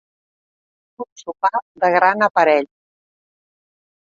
Un sopar de gran aparell.